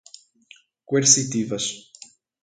coercitivas